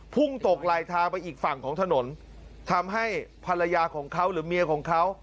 พุ่งตกลายทางไปอีกฝั่งของถนนทำให้ภรรยาของเขาหรือเมียของเขา